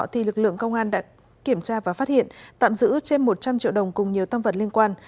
thì lực lượng công an đã kiểm tra và phát hiện tạm giữ trên một trăm linh triệu đồng cùng nhiều tâm vật liên quan